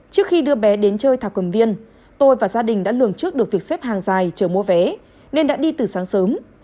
trước khi đưa bé đến chơi thạ cầm viên tôi và gia đình đã lường trước được việc xếp hàng dài chờ mua vé nên đã đi từ sáng sớm